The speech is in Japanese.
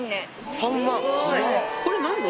３万？